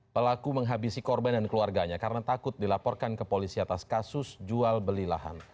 pelaku menghabisi korban dan keluarganya karena takut dilaporkan ke polisi atas kasus jual beli lahan